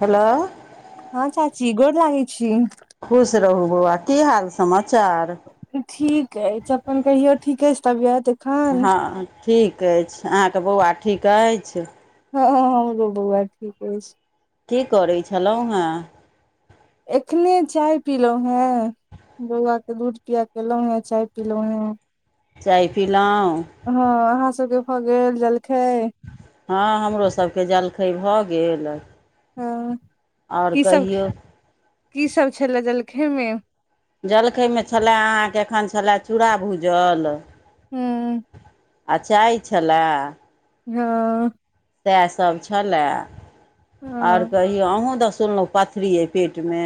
[inaudible] Hello हँ चाची गोड़ लगै छी। खुश रहु बौआ की हाल समाचार। ठीक अछि अपन कहियौ ठीके छैय तबियत। एखन ह ठीक अछि अहाँकेँ बौआ ठीक ऐछ [unintelligible] हमरो बौआ ठीक ऐछ की करै छलौ है एखने चाय पीलहुँ हें। बौआ के दूध पिया के एलहुं हें चाय पिलहुं हें। चाय पिलहुँ। हँ अहा सबके भऽ गेल जलखै। हँ हमरोसभके जलखै भऽ गेल। हँ आओर की सब कहियौ की सब छलै जलखै मे। जलखैमे छलय अहाँके एखन छलय चूड़ा भूजल। हूँ आ चाय छेलेह वा सएह सब छले आओर हँ कह यौ अहूँ तऽ सुनलहुँ पथरी अय पेट मे।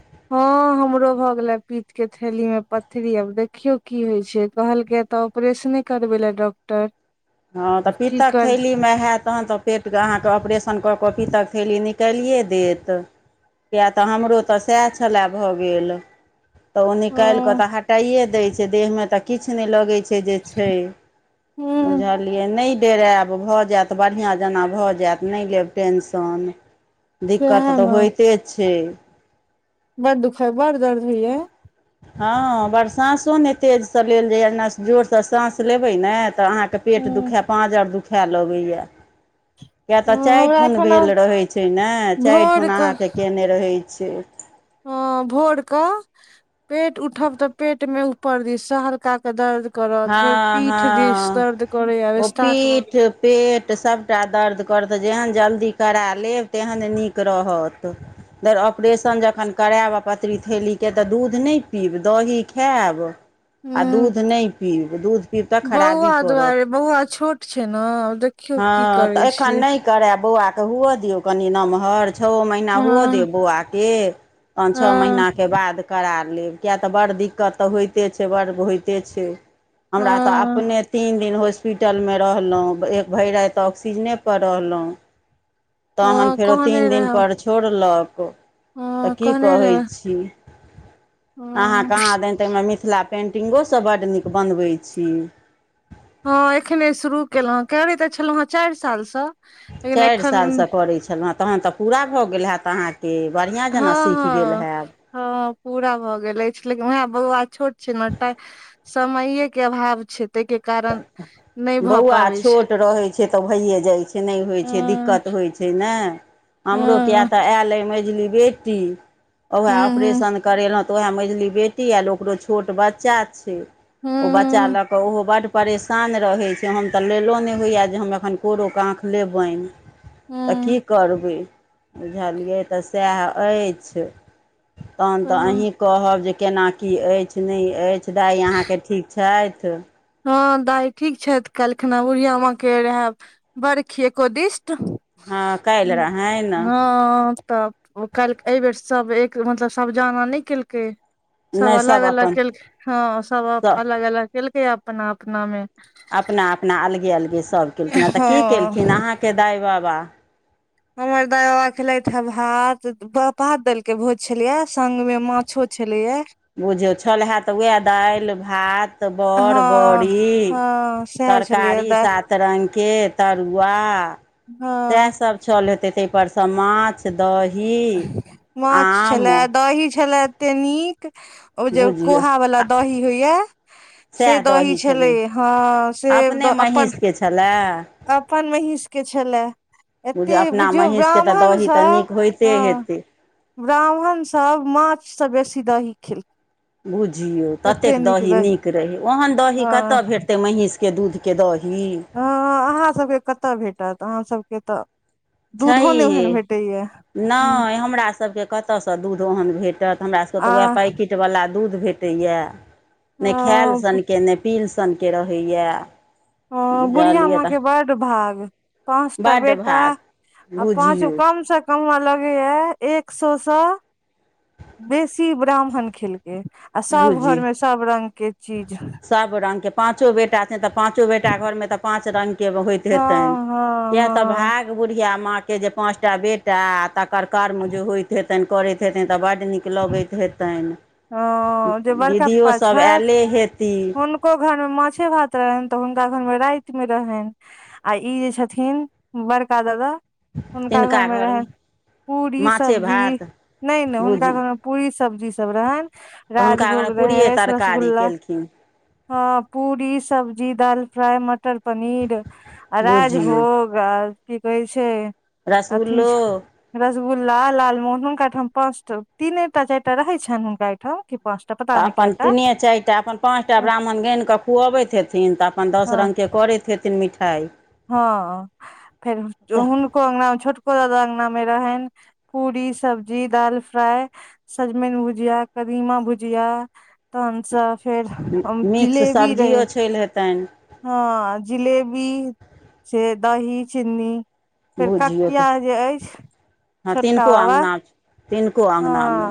[inaudible] ह हमरो भऽ गेले पीत्त के थैली मे पथरी आब देखियौ की होइ छैय कहलक तऽ ऑपरेशने करबै ले डॉक्टर। हँ तऽ आब की पी्तक कर थैलीमे हयत तहन तऽ पेटके अहाँके ऑपरेशन कऽ कऽ पीतक थैली निकालिए देत। किए तऽ हमरो तऽ सएह छलै भऽ गेल। तऽ ओ निकालि कऽ हँ तऽ हटाइए दैत छैय देहमे तऽ किछु नहि लगैत छैय जे छैय। हूँ बुझलियै नहि डेरायब भऽ जायत बढ़िआँ जेना भऽ जायत नहि लेब टेंशन। दिक्कत सएह तऽ होयइते छैय। बड़ दुखद बड़ गर्मी यै। हँ बर साँसो नहि तेजसँ लेल जाइए नस जोरसँ साँस लेबै ने तऽ अहाँके पेट ह दुखाए पाँजर दुखाए लगैए किय तऽ चइरठ हमरा उन एखन भेल आब रहैत छैय ने भोर चारिठन अहाँके कयने रहैत छैय। हॅं भोर क पेट उठब तऽ पेट मे ऊपर दीस से हल्का का के दर्द करत हँ फेर पीठ दिस हँ दर्द करैये आब ओ स्टार्ट भ पीठ गेल। पेट सभटा दर्द करत जेहन जल्दी करा लेब तेहन नीक रहत। फेर ऑपरेशन जखन करायब आ पथरी थैेलीके तऽ दूध नहि पीब दही खायब आ ह दूध नहि पीब दूध पीब तऽ खराबी बौआ करत दुआरे बौआ छोट छै ने आब देखियौ की हँ करै तऽ एखन छियै नहि करेब बौआ के हु दियौ कनि नमहर छओ महीना हँ होअ दियो बौआ के पांच छः हँ माहीना के बाद करा लेब किएक तऽ बड़ दिक्कत तऽ होइते छैय बड़ होइते छैय। हमरा तऽ हँ अपने तीन दिन होस पिटलमे रहलहुँ एक भरि राति ऑक्सीजनेपर रहलहुँ। तखन हँ फेरो तीन कहने रहे दिनपर छोड़लक तऽ हँ की कहने कहै रहे छी। अहाँ हँ कहाँ दनि तऽमे मिथिला पेन्टिंगोसभ बड्ड नीक बनबै छी। हँ एखने शुरू केलहुँ हँ करे तऽ छलहुँ हेँ चारि सालस। चारि सालसँ करैत छलहुँ। तहन तऽ पूरा भऽ गेल होैत अहाँके बढ़िआँ जेना हँ सीख गेल हँ हयब। हँ पूरा भऽ गेल अछि लेकिन वएह बौआ छोट छै ने त समये के अभाव छैय ताहि के कारण नहि भए पाबै छैय। से तऽ भइए जाइ छैय नहि होइ छै हँ दिक्कत होइ छैय ने हमरो किए हँ तऽ आयल अइ मझली बेटी उएह हूँ ऑपरेशन करेलहुँ त उएह मझली बेटी आयल ओकरो छोट बच्चा छैय। ओ बच्चा हूँ लक ओहो बड़ परेशान रहैत छैय हम तऽ लेलो नहि होइय जे हम एखन कोरो काख लेबाइन तऽ हूँ कि करबै बुझलियै तऽ सएह अछि तहन तऽ हूँ अही कहब जे केना की अछि नहि अछि दाइ अहाँकेँ ठीक छथि। हँ दाही ठीक छथि कलखना गुरिया माँ के रहैब बड़ खी एकोदिस्ट। हँ काल्हि रहनि हँ त। ओ काल्हि एहिबेर सभ एक मतलब सभ जाना नहि केलके सभ नहि अलग अलग अपन केलकै हँ सभ अलग अलग केलकै अपना अपनामे। अपना अपना अलगे अलगे सभ केलखिन ह तऽ की केलखिन हँ अहाँकेँ दाई बाबा। हमर दाइ बाबा केलथि हे भात भात दाल के भोज छलियै संग मे माछो छललियै। बुझियौ छल हए तऽ उएह दालि, भात, बड़, हँ बड़री हँ सएह छलैये तरकारी दाइ सात रंगके तरुआ हँ सेहा सभ छल हेतै ऊपर स माछ दहि माछ छलए दही छलए एतेक नीक ओ जे बुझियौ कोहा वाला दही होइया से दही छलै ह से अपने दऽ अपन महीँसके छलए अपन भैस के छैलऽ बुझिय अपना महीष केँ तऽ दही तऽ सब नीक होइते हँ हेतै। ब्राह्मण सभ माछ से बेसी दही खेलखै। बुझियौ तेक दही नीक रहै ओहन दही हँ कतय भेटतै कतेक महीष के दूधके दही। ह अहाँ सभके कतय भेटत अहाँ सभके तऽ। दूधो नहि छैहे ओहन भेटैया नहि हमरा सभके कत कतयसँ दूध ओहन भेटत हमरा सभकेँ आ तऽ उएह पैकेट वला दूध भेटैए नहि खायल सन अ कऽ नहि पील सान कऽ रहैए ह बुढ़िया बुझलियै माँ तऽ के बड भाग पाँचटा बड्ड बेटा भाग आ पाँच गो बुझियौ कम से लगेया एक सए से बेसी ब्राह्मण खेलकै आ सभ बुझि घरमे सभ रंगके चीज सभ रंग के पाँचो बेटा छै तऽ पाँचो बेटा घरमे तऽ पाँच रंग होइत हेतनि हँ हँ किया तऽ हँ भाग बुढ़िया माँ के पाँचटा बेट। तटा तकर कर्म जे होइत हेतनि करैत हेतनि तऽ बड़ नीक लगैत हेतनि ओ जे बड़का पप्पा दीदियोसभ छथि आयले हेती ह हुनको घरमे माछे भात रहनि तऽ हुनका घरमे राति मे रहनि। आई जे छथिन बड़का दादा हुनका घर तिनका मे घरमे रहनि पूरी माछे सब्जी भात नहि नहि हुनका बुझियौ घर मे पूरी सब्जी सभ रहैन तऽ हुनका राजभोग घरमे पूड़िये रहै तरकारी रसगुल्ला केलखिन ह पूरी सब्जी दाल फ्राइ मटर पनीर आ बुझियौ राजभोग ओ कि कहै छै अथी रसगुल्लो रसगुल्ला लालमोहन हुनका ठाम पाँच टा तीने टा चारिटा रहैत छनि हुनका एहिहिठाम कि। पाँच टा पता तऽ नहि अपन कएटा तीने चारि टा अपन पाँचटा ब्राह्मण गानि कऽ खुअबैत हेथिन तऽ अपन दस हँ रङ्गके करैत हेथिन कि मिठाइ हँ फेर तऽ हन। को अंगना मे छोटको दादा अंगना मे रहै पूरी सब्जी दाल फ्राइ सजमनि भुजिया कीमा भुजिया तहन फेर हम मिक्स जिलेबी रहे सब्जियो छलि हेतनि ह जिलेबी से दही चिन्नी। फेर भुजियो काकिया तऽ जे अछि हँ छोटका तिनको बाबा अङ्गना तिनको ह अङ्गनामे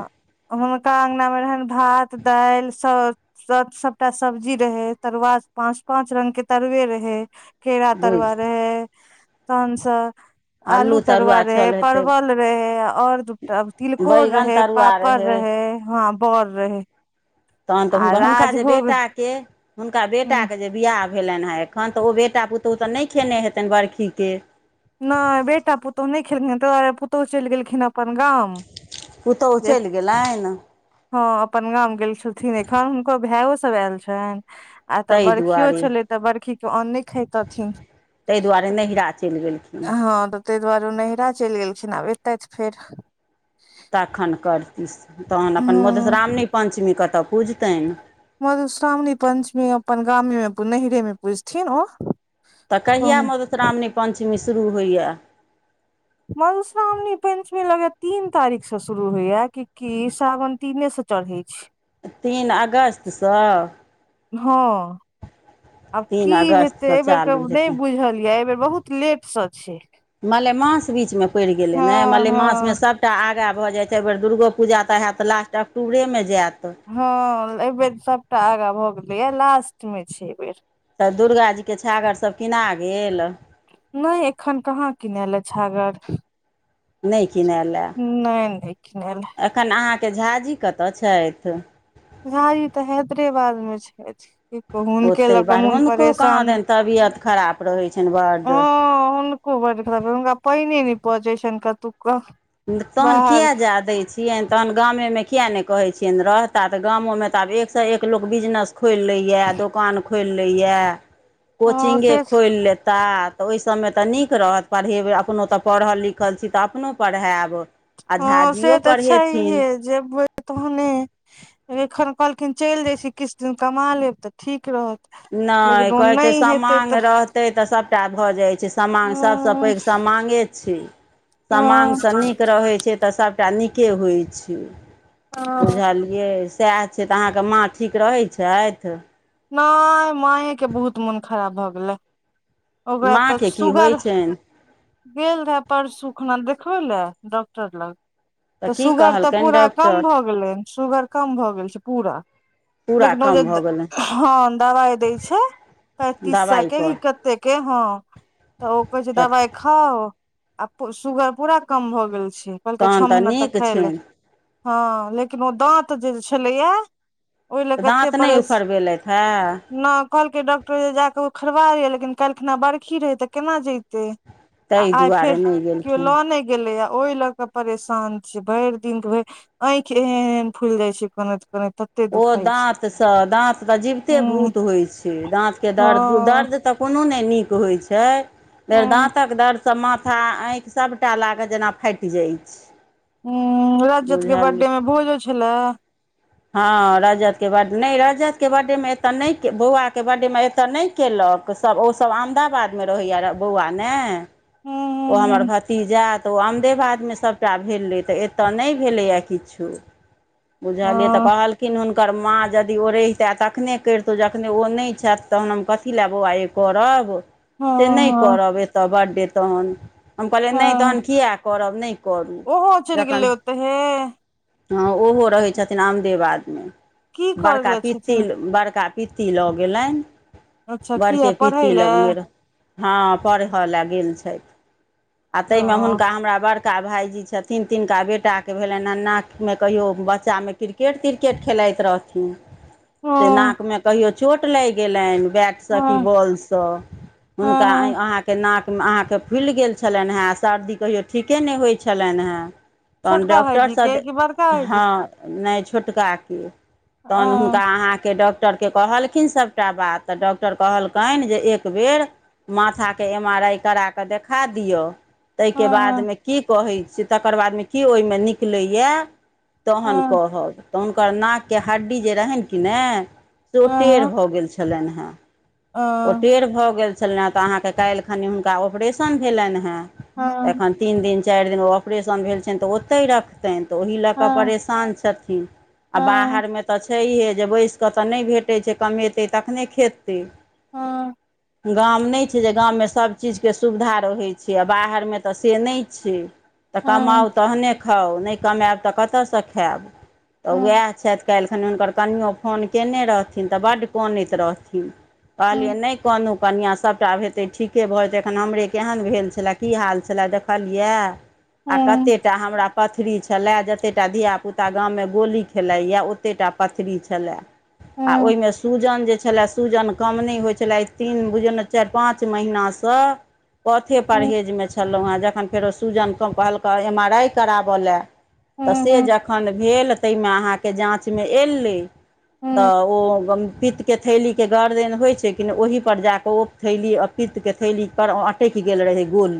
हुनका अंगनामे रहनि भात दालि सभ सभ सभटा सब्जी रहे तरुआ पाँच पाँच रंग के तरुवए रहे के भुजि तरवार रह है कन स आलू तरुआ रहै परवल रहै आओर दूटा तिलकोर बैगन रहै। तरुआ पापड़ रहै हँ बर रहै तहन तऽ हुनक हुनका जे बेटा के हुनका बेटा ह के जे। बिआह भेलनि हैं एखन तऽ ओ बेटा पुतहु तऽ नहि खेने हेतनि बरखीके नहि बेटा पुतहु नहि खेलखिन त दुआरे पुतहु चलि गेलखिन आ अपन गाव पुतहु चलि गेलनिनि। ह अपन गाम गेल छलन एखन हुनकर भायो सभ आयल छनि आ तऽ ताहि बखीयो दुआरे छलै तऽ बड़खी के अन नहि खेथिन ताहि दुआरे नैहरा चलि गेलखिन ह ताहि दुआरे ओ नैरा चलि गेलखिन आब एतै तऽ फेर तखन करती तहन अपन ह मधुश्रावणी पञ्चमी कतय पूजतनि। मधुश्रावणी पंचमेी अपन गामे मे नैरे मे पुजथिन ओ तऽ कहिया कहन मधुश्रावणी पञ्चमी शुरू होइए। मधुश्रावणी पंचमी लगे तीन तारीख से शुरू होइया कि सावन तीनेसँ चढ़इ छै। तीन अगस्त स ह [inaudible] आब की हेतै अगस्तसँ एहि बेरके चालू नहि हेतै बुझल यऽ एहिबेर बहुत लेटसँ छै मलेमास बीचमे पड़ि गेलै हँ ने हँ मलेमासमे सभ एकटा आगाँ भ जाइ छै एहिबेर दुर्गो पूजा तऽ होयत लास्ट अक्टूबरेमे जायत हँ एहिबेर सभटा आगा भऽ गेलैय लास्टमे छै एहि बेर तऽ दुर्गाजीके छागर सभ किना गेल नहि एखन कहाँ किनले छागर। नहि किनै ल नहि, नहि किरएल या एखन अहाँकेँ झाजी कतऽ छथि झाझी तऽ हैदराेबाद मे छथि की कहू हुनके लऽ ओतहि कऽ बाहर मन हुनको कहाँ परेशान दनि तबियत खराब रहै छनि बड्ड ह कोनका पहिने न पहुँचै छैनिका तुका। तहन किया जा दै छियनि तहन गामे मे किएक नहि कहै छियनि रहता तऽ गामो मे त आब एकसँ एक लोक बिजनेस खोलि लैए दोकान खोलि लैय हँ कोचिगे से खोलि लेता तऽ ओहि सभमे तऽ नीक रहत पढ़ेबै अपनो तऽ पढ़ल लिखल छी तऽ अपनो पढ़ायब। आ झाजियो परहेथिन जेब तहने एखन कहलखिन चैल जाइ छी किछ दिन कमा लेब तऽ ठीक रहत। नहि लेकिन ओ कहै छै नहि हेतै समांग तऽ रहतै तऽ सभटा भऽ जाए छै। समांग सभसँ हँ पैघ समांगे छै समांग सँ नीक रहै छै तऽ सभ टा नीके होइ छै [inaudible] हँ बुझलियै। सै छै अहाँकेँ माँ ठीक रहै छैथ नहि माँए कऽ बहुत मोन खराब भए गेले। ओकरा तऽ माँके की होइ सुुगर [inaudible] छनि गेल रेहा परसू खना देखबै लए डॉक्टर लग तऽ की सुगर तऽ कहलकनि पूरा कम डॉक्टर भऽ गेलै सुगर कम भऽ गेल छै पूरा पूरा लेकिन ओ जे कम भऽ गेलनि [inaudible] हँ दबाई दै छै पैंतीस सए केँ दबाइपर तऽ ते केँ हँ [inaudible] तऽ ओ कह छै तऽ दबाइ खाऊ आ सुगर पूरा कम भऽ गेल छै कहलकै तहन छह तऽ महीना तक नीक खएले छनि हँ लेकिन ओ दाँत जे छलैया ओहि लए तऽ कतेक दाँत नहि परेश उफरबेलथि हेँ न कहलकै डॉक्टर जे जाक ओखरबाै लिए लेकिन काइल खेना बरखी रहै तऽ केना जैतै। ताहि आए दुआरे फेर नहि [inaudible] कियों गेलखिन लऽ नै गेलैय ओहि लऽ कऽ परेशान छीय भैर दिन भऽ आइख ऐहेन ऐहने फूल जाइ छै कानैत कानैत ओ दाँत से दाँत तऽ जीविते हूँ भूत होइ छै दाँत केँ दर्द दर्द हँ दर्द तऽ कोनो नै निक होछै [inaudible] फेर हूँ दाँत दर्द सब माथा आईख सभटा लागत जेना फाइट जाइ छै। हू राजत केँ बुझलियै बर्थडे मे भोजो छलैह हँ रजतके बर्ड नहि रजतके बर्थडेमे एतय नहि बौआके बर्थडेमे एतय नहि केलक सभ ओसभ अहमदाबादमे रहैया बौआ ने हूँ ओ हूँ हमर भतीजय तऽ ओ अमदेबादमे सभटा भेलै तऽ एतय नहि भेलैए किछो बुझालियै तऽ हूँ कहल किन हुनकर माँ यदि ओ रहितै तखने करितहुँ जखने ओ नहि छैथ तहन हम कथी लए बौआ यो करब हँ से नहि हँ करब एतय बर्थडे तखन हम कहलियै हँ नहि हँ तखन किया करब नहि करू ओहो चैल जखन गेले उतैहे हँ ओहो रहैत छथिन आमदेबादमे की करै बड़का लए पिती छथिन बड़का पिती लऽ गेलनि अच्छा [inaudible] किया बड़के पढ़ै पिती लए लगमे रहै हाँ परह लऽ गेल छैथ [inaudible] आ तयमें हँ हुनका हमरा बड़ का भायजी छथिन तिनका बेटाके भेलनि कान में कहियो बच्चामे क्रि क्रिकेट त्रिकेट खेलाइत रहथिन [inaudible] से हँ नाक मे कहियो चोट लाग गेलनि बैट सकी हँ बॉल सऽ हँ हुनका हँ अय अहाँ क नाक में अहाँक त फुइल गेल छलैन है आ सर्दी कहियो ठीके नय होय छलैन है तहन छोटका डॉक्टर भाईजी सँ के दे कि [inaudible] बड़का भाईजी हाँ के नय छोटका केँ [inaudible] तहन हुनका अ अहाँ केँ डॉक टर के कहलखिन सबटा बात तऽ डॉक्टर कहलकैन जे एक बेर माथाक एम आर आई करा कऽ देखा दियौ तै केँ हँ हँ बादमे की कहय छै तकर बाद में की ओय में निकलै या तहन हँ कहब तऽ हुनकर नाक के हड्डी जे रहैन कि ने से ओ हँ टेढ़ हँ भऽ गेल छलैन है ओ हँ टेढ़ भऽ गेल छलैन हेँ तऽ अहाँके काल्हि खनि हुनका ऑपरेशन भेलैन हेँ तऽ हँ एखन तीन दिन चाइर दिन ओ ऑपरेशन भेल छैन तऽ ओतय रख तनि तऽ ओहि लऽ कऽ हँ परेशान छथिन आ हँ बाहर मे तऽ छैहे जे बैसि कऽ तऽ नै भेटय छै तऽ कमेतै तखने खेतै हँ गाम नै छै जे गाम मे सभचीज के सुविधा रहैत छै आ बाहर मे तऽ से नै छै तऽ हँ हँ कमाउ तहने खाउ नै कमेब तऽ कतऽ सँ खैब तऽ हँ उएह छैथ काल्हि खनि हुनकर कनियों फोन केने रहथिन तऽ बड्ड कनैत रहथिन कहलियै हँ नै कानु कनियाँ सबटा हेतै ठीके भऽ जेतै एखन हमरे केहन भेल छलए की हाल छलए देखलिये आ हँ कते टा हमरा पथरी छले जते टा धियापुता गाम मे गोली खेलाय ये ओते टा पथरी छले हँ आ हँ ओहिमे सूजन जे छले सूजन कम नै होइ छले तीन बुझियौ ने चारि पाँच महिना सँ पथे हँ परहेज मे छलौं हेँ जखन फेरो सूजन कहलकै एम आर आइ कराब ले तऽ हँ से हँ जखन भेल तैमे अहाँके जाँचमे एलै तऽ ओ पित्त के थैली के गांठ जेहन होइ छै किने ओहिपर जाकऽ ओ थैली आ पितके थैली पर जा के ओ अटैक गेल रहै गोल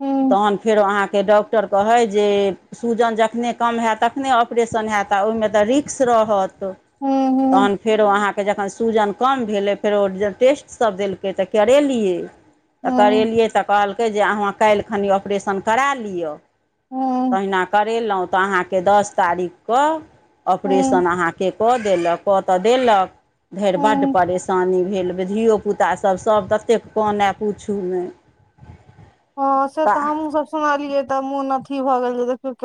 हँ तहन फेरो अहाँके डॉक्टर कहै जे सूजन जखने कम हैत तखने ऑपरेशन हैत आ ओहिमे तऽ रिक्स रहत त तहन फेरो अहाँके जखन सुजन कम भेलै फेरो टेस्ट सब देलकै तऽ करेलियै तऽ करेलियै तऽ कहल कै जे अहाँ काइल खनि ऑपरेशन करा लिय तहिना कर रेलौं तऽ अहाँके दस तारिक कऽ हँ ऑपरेशन अहाँक के कऽ देलक कऽ तऽ देलक फेर बड्ड हँ परेशानी भेल धियोपुतासब सभ ततेक कनै पूछू नै हँ से तऽ हमहूँ सब सुनलियै तऽ मोन अथी भऽ गेल जे देखियौ केन